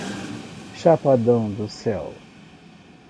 Chapadão do Céu